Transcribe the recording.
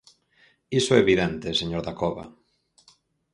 ¡Iso é evidente, señor Dacova!